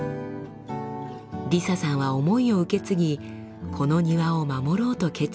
リサさんは思いを受け継ぎこの庭を守ろうと決意しました。